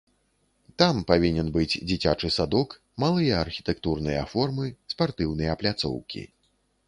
Там павінен быць дзіцячы садок, малыя архітэктурныя формы, спартыўныя пляцоўкі.